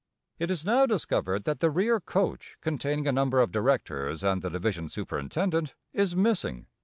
It is now discovered that the rear coach, containing a number of directors and the division superintendent, is missing.